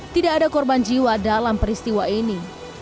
tidak ada korban jiwa dalam peristiwa ini